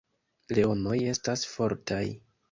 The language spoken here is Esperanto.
Leonoj estas fortaj.